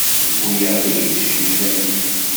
Yewwi-yaɣ-iid cennegnagi!